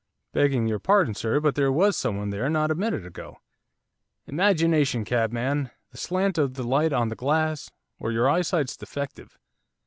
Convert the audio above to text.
'Begging your pardon, sir, but there was someone there not a minute ago.' 'Imagination, cabman, the slant of the light on the glass, or your eyesight's defective.